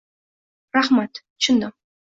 Rahmat, tushundim.